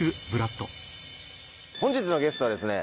本日のゲストはですね。